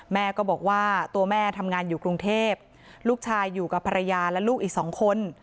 แม่ก็บอกว่าตัวแม่ทำงานอยู่กรุงเทพลูกชายอยู่กับภรรยาและลูกอีกสองคน